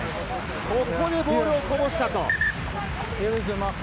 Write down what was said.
ここでボールをこぼしたと。